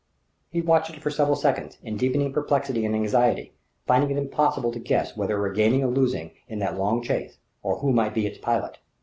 He watched it for several seconds, in deepening perplexity and anxiety, finding it impossible to guess whether it were gaining or losing in that long chase, or who might be its pilot.